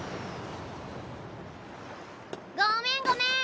ごめんごめん！